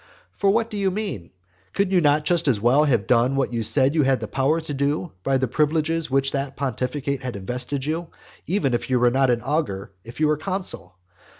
For what do you mean? Could you not just as well have done what you said you had now the power to do by the privileges with which that pontificate had invested you, even if you were not an augur, if you were consul?